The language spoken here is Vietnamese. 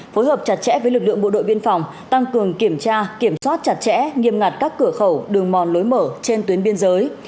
phối hợp chặt chẽ với lực lượng bộ đội biên phòng tăng cường kiểm tra kiểm soát chặt chẽ nghiêm ngặt các cửa khẩu đường mòn lối mở trên tuyến biên giới